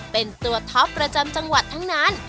เป็นตัวท็อปประจำจังหวัดทั้งนั้น